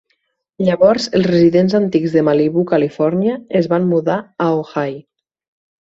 Llavors els residents antics de Malibú, Califòrnia, es van mudar a Ojai.